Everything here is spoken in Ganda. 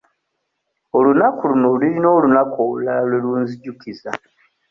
Olunaku luno lulina olunaku olulala lwe lunzijukiza.